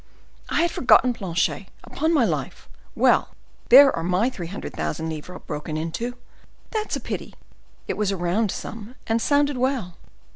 I had forgotten Planchet, upon my life! Well! there are my three hundred thousand livres broken into. That's a pity! it was a round sum, and sounded well.